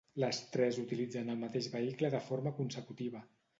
Les tres utilitzen el mateix vehicle de forma consecutiva.